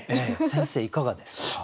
先生いかがですか？